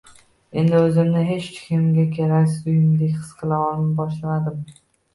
Endi o`zimni hech kimga keraksiz buyumdek his qila boshladim